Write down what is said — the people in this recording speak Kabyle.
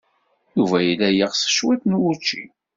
Yuba yella yeɣs cwiṭ n wučči.